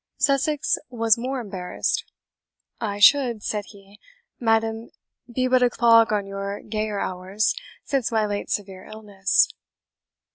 Sussex was more embarrassed. "I should," said he, "madam, be but a clog on your gayer hours, since my late severe illness."